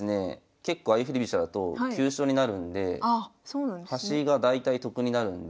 結構相振り飛車だと急所になるんで端が大体得になるんで。